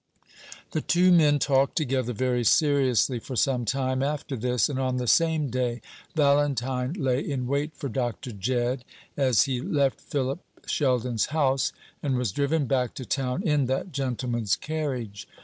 The two men talked together very seriously for some time after this, and on the same day Valentine lay in wait for Dr. Jedd as he left Philip Sheldon's house, and was driven back to town in that gentleman's carriage.